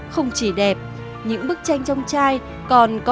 không chỉ đẹp những bức tranh trong chai còn đẹp hơn